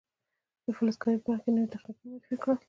د فلز کارۍ په برخه کې نوي تخنیکونه معرفي کړل.